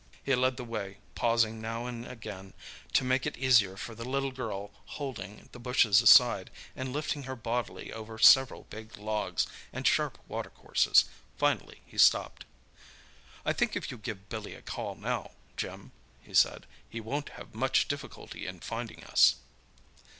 He led the way, pausing now and again to make it easier for the little girl, holding the bushes aside and lifting her bodily over several big logs and sharp watercourses. Finally he stopped. "I think if you give Billy a call now, Jim," he said, "he won't have much difficulty in finding us."